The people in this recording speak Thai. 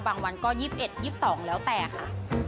บางวันก็๒๑๒๒แล้วแต่ค่ะ